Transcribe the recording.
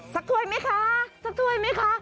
กล้วยไหมคะสักถ้วยไหมคะ